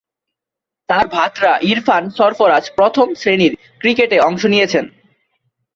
তার ভ্রাতা ইরফান সরফরাজ প্রথম-শ্রেণীর ক্রিকেটে অংশ নিয়েছেন।